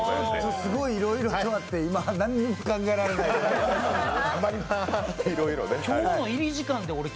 すごいいろいろとあって、今、何も考えられないです。